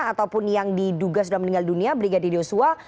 ataupun yang diduga sudah meninggal dunia brigadir yosua